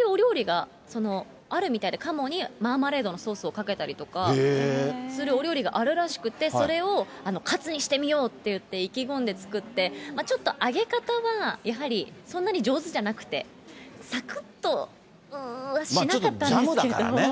なんか、そういうお料理があるみたいで、鴨にマーマレードのソースをかけたりとかするお料理があるらしくて、それをカツにしてみようって言って、意気込んで作って、ちょっと揚げ方はやはり、そんなに上手じゃなくて、さくっとはしちょっとジャムだからね。